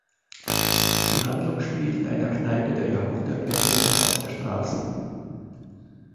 Die Handlung spielt in einer Kneipe der Jahrhundertwende und auf der Straße.